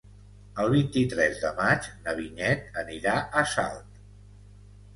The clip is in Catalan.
El vint-i-tres de maig na Vinyet anirà a Salt.